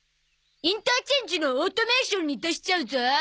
インターチェンジのオートメーションに出しちゃうゾ！